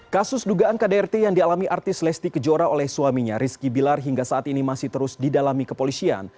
kasus dugaan kdrt yang dialami artis lesti kejora oleh suaminya rizky bilar hingga saat ini masih terus didalami kepolisian